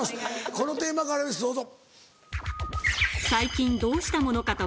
このテーマからですどうぞ。